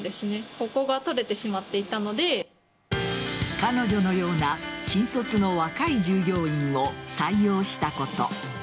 彼女のような新卒の若い従業員を採用したこと。